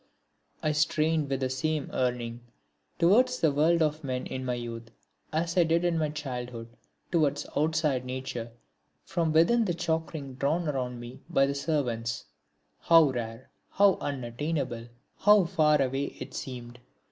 I strained with the same yearning towards the world of men in my youth, as I did in my childhood towards outside nature from within the chalk ring drawn round me by the servants. How rare, how unattainable, how far away it seemed!